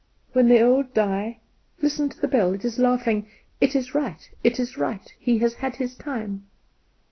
When the old die Listen to the bell! it is laughing 'It is right, it is right; he has had his time.